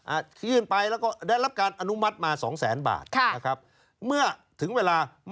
ยื่นไปแล้วก็ได้รับการอนุมัติมาสองแสนบาทค่ะนะครับเมื่อถึงเวลา